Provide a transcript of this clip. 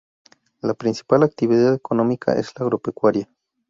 La principal actividad económica es la agropecuaria.